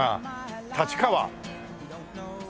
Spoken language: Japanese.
立川？